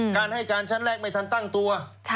การให้การชั้นแรกไม่ทันตั้งตัว